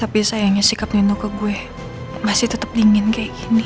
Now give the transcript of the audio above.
tapi sayangnya sikap nino ke gue masih tetap dingin kayak gini